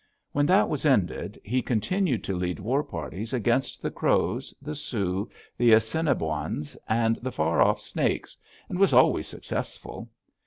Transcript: When that was ended, he continued to lead war parties against the Crows, the Sioux, the Assiniboines, and the far off Snakes, and was always successful.